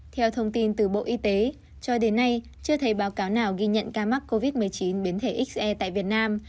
theo thông tin từ bộ y tế cho đến nay chưa thấy báo cáo nào ghi nhận ca mắc covid một mươi chín biến thể xê tại việt nam